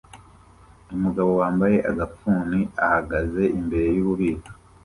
Umugabo wambaye agafuni ahagaze imbere yububiko